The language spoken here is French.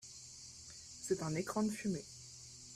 C’est un écran de fumée.